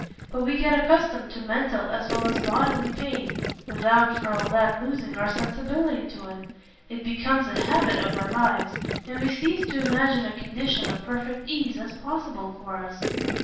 But we get accustomed to mental as well as bodily pain, without, for all that, losing our sensibility to it. It becomes a habit of our lives, and we cease to imagine a condition of perfect ease as possible for us.